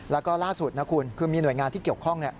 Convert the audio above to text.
แล้วก็ล่าสุดนะคุณคือมีหน่วยงานที่เกี่ยวข้อง